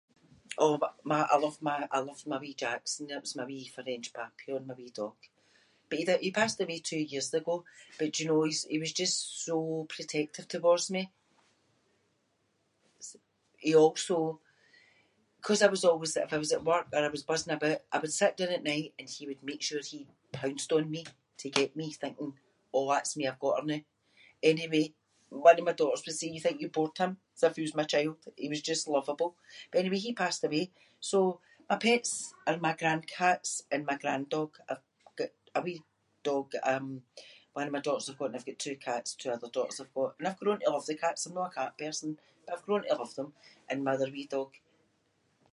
Oh- my- I love my- I love my wee Jackson. That was my wee French papillon, my wee dog. But he- he passed away two years ago but, do you know, he’s- he was just so protective towards me. He also- ‘cause I was always- if I was at work or I was buzzing aboot- I would sit doon at night and he would make sure he pounced on me to get me, thinking “Oh that’s me, I’ve got her noo”. Anyway, one of my daughters would say “you’d think you bored him” as if he was my child – he was just lovable. But anyway, he passed away. So, my pets are my grandcats and my granddog. I’ve got a wee dog that, um, one of my daughters have got and I’ve got two cats two other daughters have got. And I’ve grown to love the cats. I’m no a cat person but I’ve grown to love them and my other wee dog.